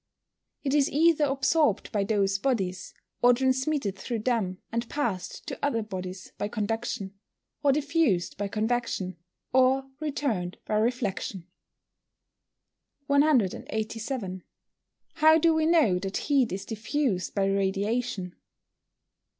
_ It is either absorbed by those bodies, or transmitted through them and passed to other bodies by conduction, or diffused by convection, or returned by reflection. 187. _How do we know that heat is diffused by radiation?